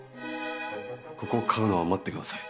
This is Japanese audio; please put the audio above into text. ここを買うのは待ってください。